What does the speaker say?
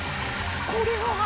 これは。